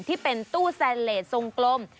ที่เป็นตู้แซนเลสทรงกลม